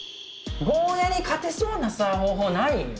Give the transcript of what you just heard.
ゴーヤに勝てそうな方法ない？